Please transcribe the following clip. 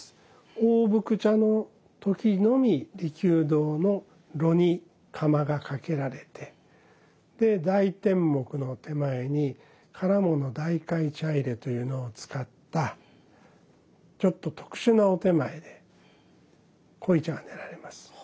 大福茶の時のみ利休堂の炉に釜がかけられてで台天目の点前に唐物大海茶入というのを使ったちょっと特殊なお点前で濃茶が練られます。